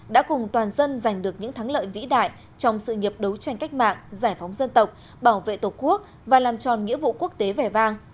đã cùng toàn dân giành được những thắng lợi vĩ đại trong sự nghiệp đấu tranh cách mạng giải phóng dân tộc bảo vệ tổ quốc và làm tròn nghĩa vụ quốc tế vẻ vang